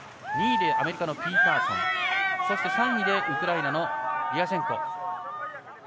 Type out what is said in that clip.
２位でアメリカのピーターソン３位でウクライナのリアシェンコ。